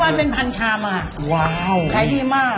ขายวันเป็นพันชามอ่ะขายดีมากว้าว